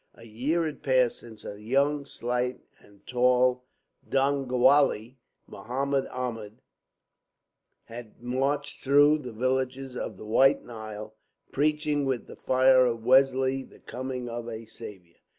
A year had passed since a young, slight, and tall Dongolawi, Mohammed Ahmed, had marched through the villages of the White Nile, preaching with the fire of a Wesley the coming of a Saviour.